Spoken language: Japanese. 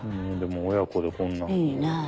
でも親子でこんな。